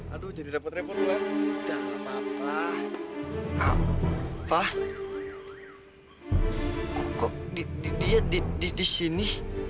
aduh jadi dapet repot luar enggak apa apa apa kok dia di sini